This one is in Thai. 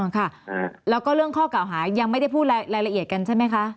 ค่ะแล้วก็เรื่องข้อเก่าหายังไม่ได้พูดรายละเอียดกันใช่ไหมคะ